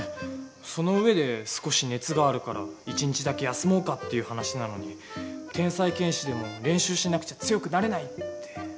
その上で少し熱があるから１日だけ休もうかっていう話なのに「天才剣士でも練習しなくちゃ強くなれない」って。